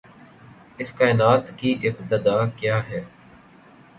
اس کائنات کی ابتدا کیا ہے؟